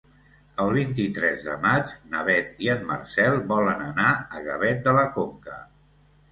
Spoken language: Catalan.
El vint-i-tres de maig na Beth i en Marcel volen anar a Gavet de la Conca.